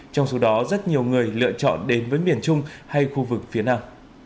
trong số đó rất nhiều người lựa chọn đến với miền trung hay khu vực phía nam